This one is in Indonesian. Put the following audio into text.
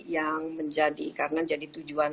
yang menjadi karena jadi tujuan